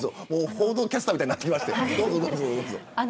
報道キャスターみたいになってきましたよ、どうぞ。